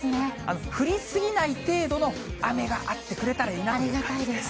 降り過ぎない程度の雨があってくれたらいいなという感じです。